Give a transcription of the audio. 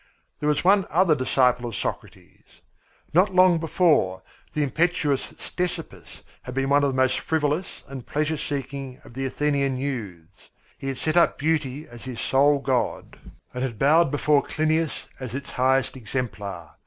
There was one other disciple of Socrates. Not long before, the impetuous Ctesippus had been one of the most frivolous and pleasure seeking of the Athenian youths. He had set up beauty as his sole god, and had bowed before Clinias as its highest exemplar.